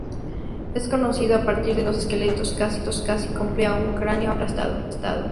Es conocido a partir de dos esqueletos casi completos y un cráneo aplastado.